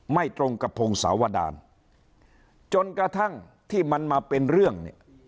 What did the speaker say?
ไม่ตรงกับพงศาวดาลจนกระทั่งที่มันมาเป็นเรื่อง